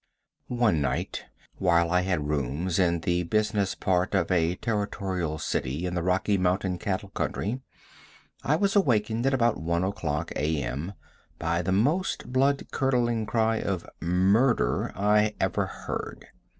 One night while I had rooms in the business part of a Territorial city in the Rocky Mountain cattle country, I was awakened at about one o'clock A. M. by the most blood curdling cry of "Murder" I ever heard.